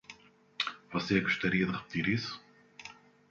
Você gostaria de repetir isso?